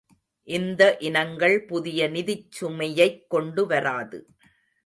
இந்த இனங்கள் புதிய நிதிச் சுமையைக் கொண்டுவராது.